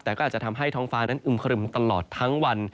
แต่ก็อาจจะทำให้ท้องฟ้านั้นอึมครึมตลอดทั้งวัน